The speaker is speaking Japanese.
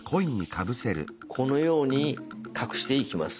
このように隠していきます。